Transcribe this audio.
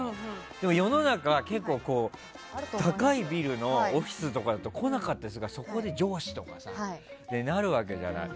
でも世の中高いビルのオフィスとかだと来なかったりするから、そこで上司とかってなるわけじゃない。